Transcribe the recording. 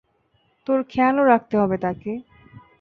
তোর খেয়ালও রাখতে হবে তাকে।